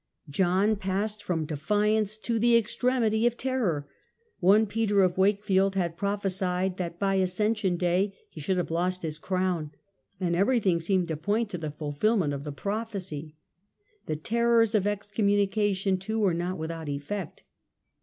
John passed from defiance to the extremity of terror. One Peter of Wakefield had prophesied that by Ascen iohn*8 sur ^^^^ ^y ^^ should have lost his crown, and render of his everything seemed to point to the fulfilment crown, 13x3. q£ ^YiQ prophecy. The terrors of excommuni cation, too, were not without effect.